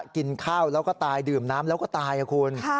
กินข้าวแล้วก็ตายดื่มน้ำแล้วก็ตายคุณ